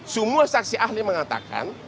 semua saksi ahli mengatakan